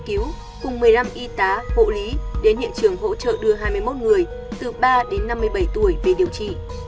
họ đã được giúp cứu cùng một mươi năm y tá hộ lý đến hiện trường hỗ trợ đưa hai mươi một người từ ba đến năm mươi bảy tuổi về điều trị